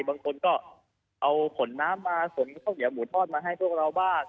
บางคนก็เอาผลน้ำมาส่งเหลือหมูทอดมาให้พวกเราบ้าง